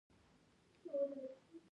په افغانستان کې لوگر شتون لري.